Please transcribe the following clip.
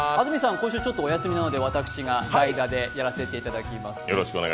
今週ちょっとお休みなので私が代打でやらせていただきます。